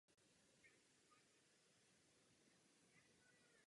Období jejich vzniku spadá do posledních století před Kristem.